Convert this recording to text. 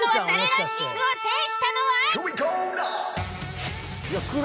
ランキングを制したのは。